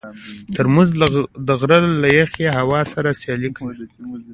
ترموز د غره له یخې هوا سره سیالي کوي.